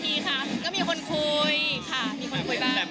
ก็มีคนคุยค่ะมีคนคุยบ้าง